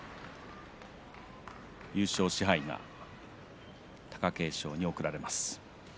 優勝賜杯が貴景勝に贈られます。